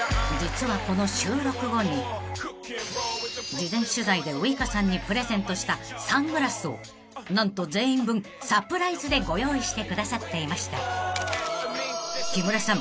［事前取材でウイカさんにプレゼントしたサングラスを何と全員分サプライズでご用意してくださっていました］［木村さん